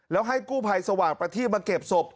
แล้วให้กู้ภัยสว่างประทีบมาเก็บศพ